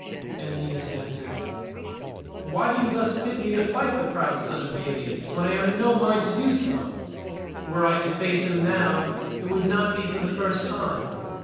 And Aeneas answered, "Why do you thus bid me fight the proud son of Peleus, when I am in no mind to do so? Were I to face him now, it would not be for the first time.